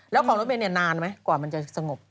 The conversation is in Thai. แล้วของรถเมย์นานไหมกว่ามันจะสงบ